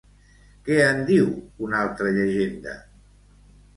Què en diu una altra llegenda?